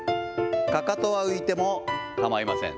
かかとは浮いてもかまいません。